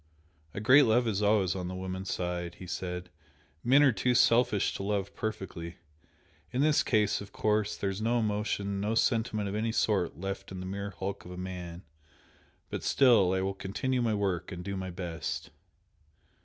"A great love is always on the woman's side," he said "Men are too selfish to love perfectly. In this case, of course, there is no emotion, no sentiment of any sort left in the mere hulk of man. But still I will continue my work and do my best."